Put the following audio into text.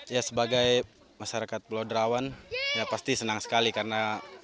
ya sebagai masyarakat pulau derawan ya pasti senang sekali karena